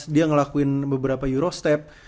dia ngelakuin beberapa eurostep